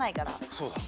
そうだ。